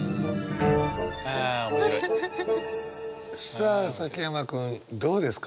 さあ崎山君どうですか？